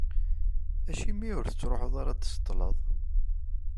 Acimi ur tettruḥuḍ ara ad d-tṣeṭṭleḍ?